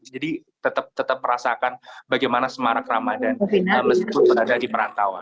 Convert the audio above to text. jadi tetap merasakan bagaimana semarak ramadan berada di perantauan